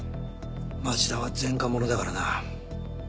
町田は前科者だからな。